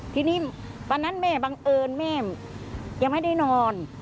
ทีนี้วันนั้นแม่บังเอิญแม่ยังไม่ได้นอน